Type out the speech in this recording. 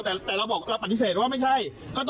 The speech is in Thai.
แต่เราบอกเราปฏิเสธว่าไม่ใช่